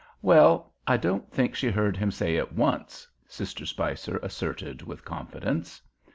'" "Well, I don't think she heard him say it once," Sister Spicer asserted with confidence.